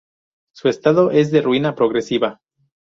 Su estado es de ruina progresiva.